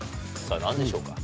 さぁ何でしょうか？